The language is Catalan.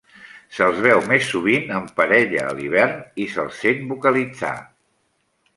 Se'ls veu més sovint en parella a l'hivern i se'ls sent vocalitzar.